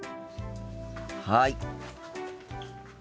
はい。